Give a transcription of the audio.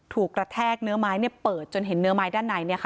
ถูกกระแทกเนื้อไม้เนี่ยเปิดจนเห็นเนื้อไม้ด้าน